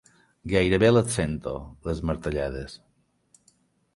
Gairebé les sento, les martellades.